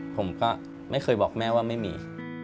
ผมก็ไม่เคยบอกแม่ว่าไม่มี